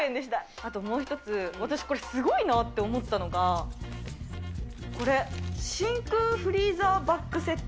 あともう一つ、私これ、すごいなと思ったのが、これ、真空フリーザーバッグセット。